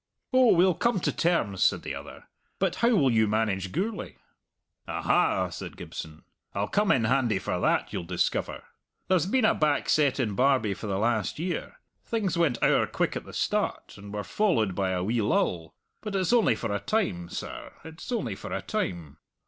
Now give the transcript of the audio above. "Oh, we'll come to terms," said the other. "But how will you manage Gourlay?" "Aha!" said Gibson, "I'll come in handy for that, you'll discover. There's been a backset in Barbie for the last year things went owre quick at the start and were followed by a wee lull; but it's only for a time, sir it's only for a time.